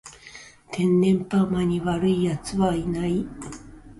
天然パーマに悪い奴はいない